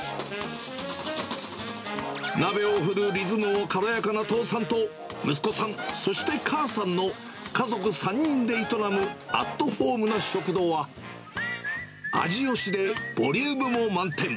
鍋を振るリズムも軽やかな父さんと、息子さん、そして母さんの家族３人で営むアットホームな食堂は、味よしでボリュームも満点。